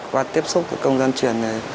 qua tiếp xúc với công dân truyền